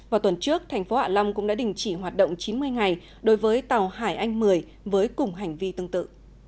vào tuần trước thành phố hạ long cũng đã đình chỉ hoạt động chín mươi ngày đối với tàu hải anh một mươi với cùng hành vi tương tự